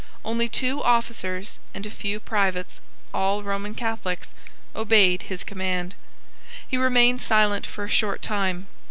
Only two officers and a few privates, all Roman Catholics, obeyed his command. He remained silent for a short time.